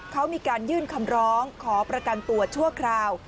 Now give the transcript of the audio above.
เขามีการยื่นคำร้องขอประกันตัวชั่วคราว